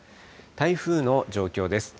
台風の状況です。